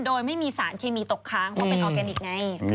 โดยไม่มีสารเคมีตกค้างเพราะเป็นออร์แกนิคไง